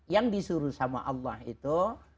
yang disuruh sama allah itu